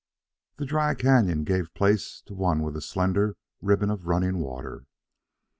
The dry canon gave place to one with a slender ribbon of running water.